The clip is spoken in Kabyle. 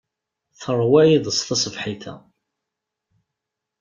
Teṛwa iḍes taṣebḥit-a.